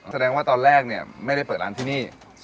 แสดงว่าตอนแรกเนี่ยไม่ได้เปิดร้านที่นี่